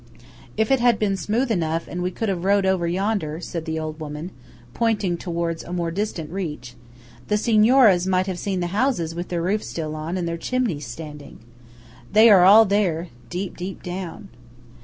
"If it had been smooth enough and we could have rowed over yonder," said the old woman, pointing towards a more distant reach, "the Signoras might have seen houses with their roofs still on and their chimneys standing. They are all there–deep, deep down!"